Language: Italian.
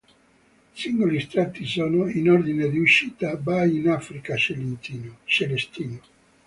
Singoli estratti sono, in ordine di uscita, "Vai in Africa, Celestino!